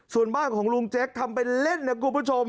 ส่วนบ้านของลุงแจ็คทำเป็นเล่นนะคุณผู้ชม